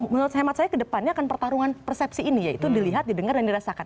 menurut hemat saya kedepannya akan pertarungan persepsi ini yaitu dilihat didengar dan dirasakan